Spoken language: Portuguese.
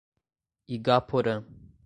Igaporã